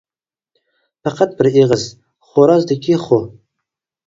پەقەت بىر ئېغىز : خورازدىكى خو!